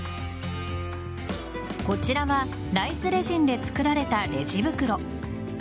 こちらはライスレジンで作られたレジ袋。